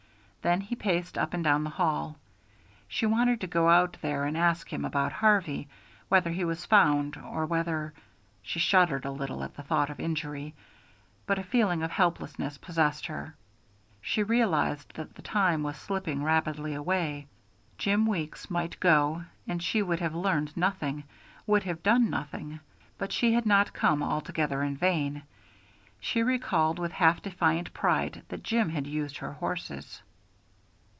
Then he paced up and down the hall. She wanted to go out there and ask him about Harvey, whether he was found, or whether she shuddered a little at the thought of injury but a feeling of helplessness possessed her. She realized that the time was slipping rapidly away. Jim Weeks might go, and she would have learned nothing, would have done nothing. But she had not come altogether in vain. She recalled with half defiant pride that Jim had used her horses.